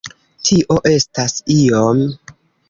Tio estas iom...